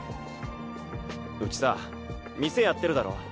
うちさ店やってるだろ。